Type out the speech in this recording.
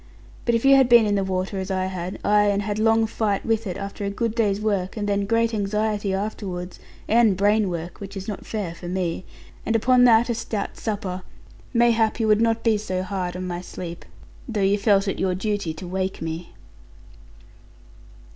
But if you had been in the water as I had, ay, and had long fight with it, after a good day's work, and then great anxiety afterwards, and brain work (which is not fair for me), and upon that a stout supper, mayhap you would not be so hard on my sleep; though you felt it your duty to wake me.